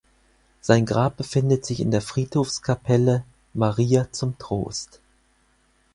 Sein Grab befindet sich in der Friedhofskapelle "Maria zum Trost".